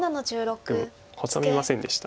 でもハサみませんでした。